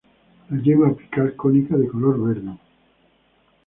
La yema apical cónica de color verde.